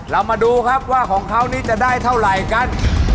เรามาดูครับว่าของเขานี่จะได้เท่าไหร่กัน